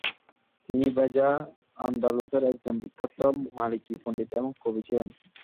তিনি বেজা, আন্দালুসের একজন বিখ্যাত মালিকি পণ্ডিত এবং কবি ছিলেন।